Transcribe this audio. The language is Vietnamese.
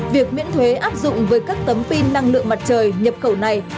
việc miễn thuế áp dụng với các tấm pin năng lượng mặt trời nhập khẩu này